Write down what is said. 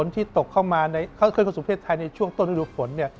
ที่จะตกมาในช่วงต้นใดดุบฝน